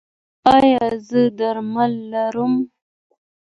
ایا زه درمل راوړم؟